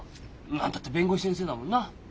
何たって弁護士先生だもんな。